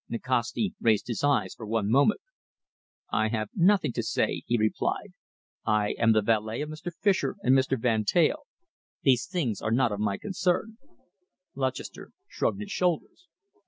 Nikasti raised his eyes for one moment. "I have nothing to say," he replied. "I am the valet of Mr. Fischer and Mr. Van Teyl. These things are not of my concern." Lutchester shrugged his shoulders.